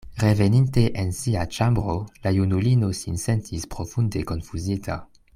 Reveninte en sia ĉambro, la junulino sin sentis profunde konfuzita.